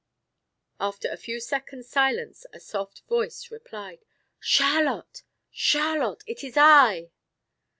After a few seconds' silence a soft voice replied: "Charlotte, Charlotte it is I!"